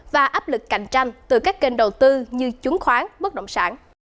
và áp lực cạnh tranh từ các kênh đầu tư như chứng khoán bất động sản